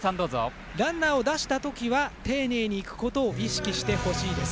ランナーを出したときは丁寧にいくことを意識してほしいです。